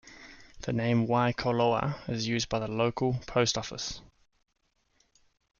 The name Waikoloa is used by the local post office.